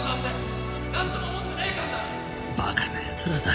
バカなやつらだ。